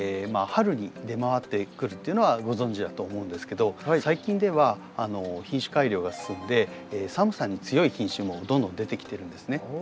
春に出回ってくるっていうのはご存じだと思うんですけど最近では品種改良が進んで寒さに強い品種もどんどん出てきてるんですね。